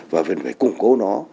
và vẫn phải củng cố nó